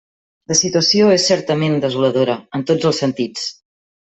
La situació és certament desoladora en tots els sentits.